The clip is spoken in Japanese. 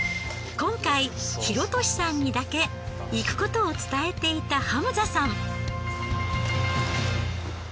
今回洋年さんにだけ行くことを伝えていたハムザさん。